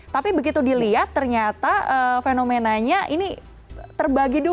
tapi begitu dilihat ternyata fenomenanya ini terbagi dua